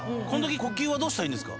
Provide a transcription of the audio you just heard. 呼吸はどうしたらいいんですか？